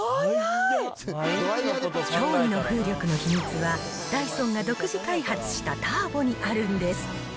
驚異の風力の秘密は、ダイソンが独自開発したターボにあるんです。